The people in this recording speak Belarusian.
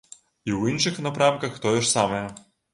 І ў іншых напрамках тое ж самае.